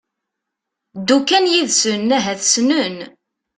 Ddu kan yid-sen ahat ssnen.